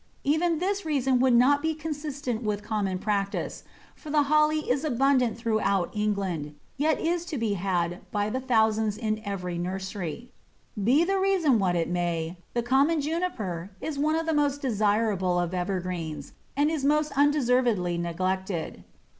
Even this reason would not be consistent with common practice, for the Holly is abundant throughout England, and yet is to be had by the thousand in every nursery. Be the reason what it may, the common Juniper is one of the most desirable of evergreens, and is most undeservedly neglected.